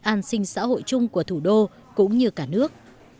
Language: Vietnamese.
an sinh xã hội chung của thủ đô cũng như cả nước